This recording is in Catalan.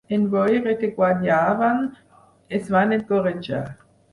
En veure que guanyaven, es van encoratjar.